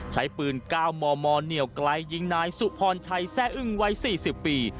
ใช้ปืน๙มมเหนียวไกลยิงนายสุพรชัยแซ่อึ้งวัย๔๐ปี